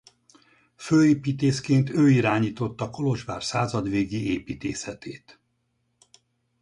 Főépítészként ő irányította Kolozsvár századvégi építészetét.